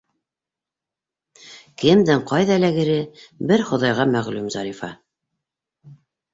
Кемдең ҡайҙа эләгере бер хоҙайға мәғлүм, Зарифа!